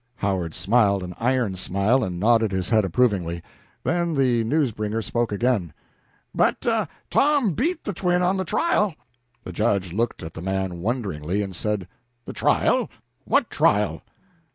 Howard smiled an iron smile, and nodded his head approvingly. Then the news bringer spoke again "But Tom beat the twin on the trial." The Judge looked at the man wonderingly, and said "The trial? What trial?"